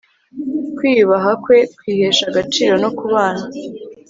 kwiyubaha kwe kwihesha agaciro no kubana